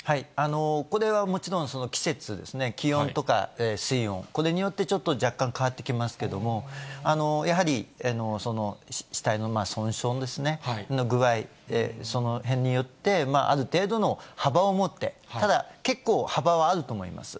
これはもちろん季節ですね、気温とか水温、これによってちょっと若干変わってきますけれども、やはり死体の損傷の具合、そのへんによって、ある程度の幅を持って、ただ結構、幅はあると思います。